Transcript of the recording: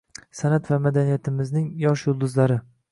“Sa’nat va madaniyatimizning yosh yulduzlari”